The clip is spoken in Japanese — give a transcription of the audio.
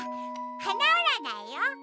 はなうらないよ。